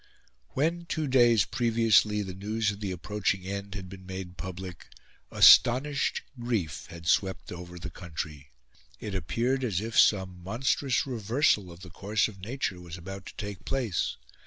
When, two days previously, the news of the approaching end had been made public, astonished grief had swept over the country. It appeared as if some monstrous reversal of the course of nature was about to take place.